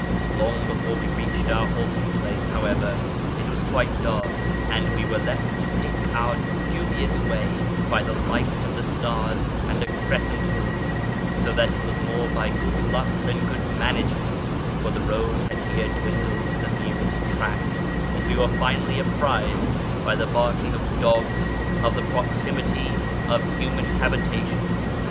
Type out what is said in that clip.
Long before we reached our halting place, however, it was quite dark, and we were left to pick our dubious way by the light of the stars and a crescent moon ; so that it was more by good luck than good management (for the road had here dwindled to the merest track) that we were finally apprised by the barking of dogs of the proximity of human habitations.